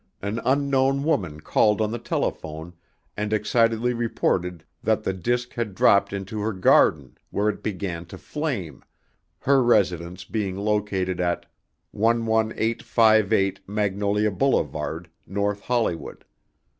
an unknown woman called on the telephone and excitedly reported that the disc had dropped into her garden where it began to flame, her residence being located at 11858 Magnolia Boulevard, North Hollywood.